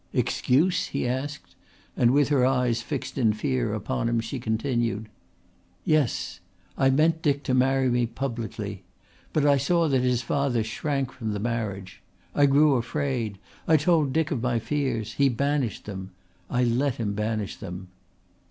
"Excuse?" he asked, and with her eyes fixed in fear upon him she continued: "Yes. I meant Dick to marry me publicly. But I saw that his father shrank from the marriage. I grew afraid. I told Dick of my fears. He banished them. I let him banish them."